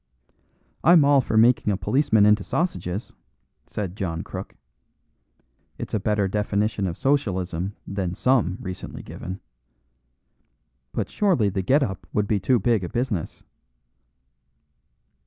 "I'm all for making a policeman into sausages," said John Crook. "It's a better definition of Socialism than some recently given. But surely the get up would be too big a business."